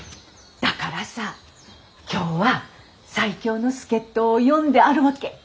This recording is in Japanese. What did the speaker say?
だからさ今日は最強の助っ人を呼んであるわけ。